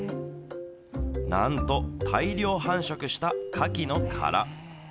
なんと、大量繁殖したカキの殻。